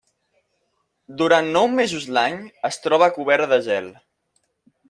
Durant nou mesos l'any es troba cobert de gel.